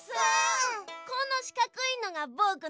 このしかくいのがぼくのなのだ。